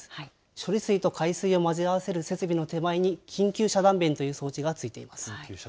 処理水と海水を混ぜ合わせる設備の手前に緊急遮断弁という装置が付いています。